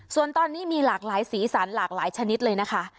ส่วนตอนนี้มีหลากหลายสีสันหลากหลายชนิดเลยนะคะ